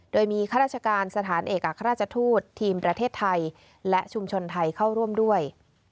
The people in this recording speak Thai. โดยมีข้าราชการสถานเอกอัครราชทูตทีมประเทศไทยและชุมชนไทยเข้าร่วมด้วย